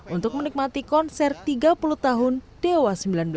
untuk menikmati konser tiga puluh tahun dewa sembilan belas